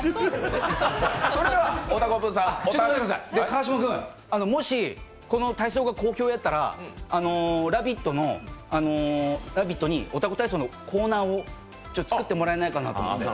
川島君、もしこの体操が好評やったら「ラヴィット！」に、おたこ体操のコーナーを作ってもらえないかと思って。